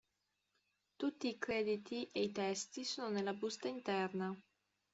Tutti i crediti e i testi sono nella busta interna.